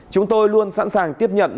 chúng tôi luôn sẵn sàng tiếp nhận